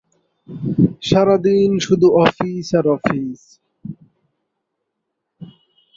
পরে ছেড়ে যান।